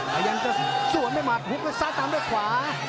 แต่ยังจะสวนไม่หมาดผู้ประซานตามได้ขวา